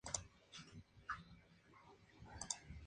El joven puso el disco para el padre y la familia Morrison.